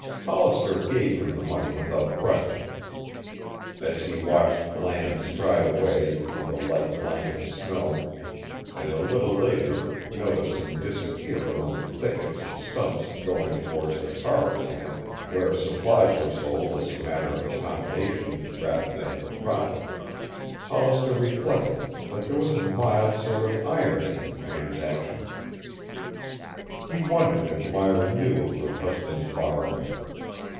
Hollister gave him the money without question. As he watched Bland stride away through the light blanket of snow, and a little later noticed him disappear among the thickets and stumps going towards the Carr camp, where supplies were sold as a matter of accommodation rather than for profit, Hollister reflected that there was a mild sort of irony in the transaction. He wondered if Myra knew of her husband's borrowing.